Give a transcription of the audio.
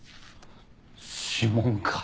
指紋か！